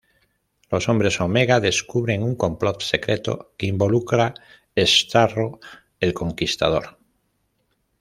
Los Hombres Omega descubren un complot secreto que involucra Starro el conquistador.